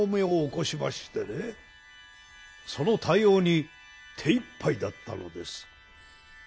その対応に手いっぱいだったのです。